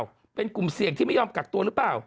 เป็นกลุ่มเสี่ยงที่ไม่ยอมกักตัวหรือเปล่า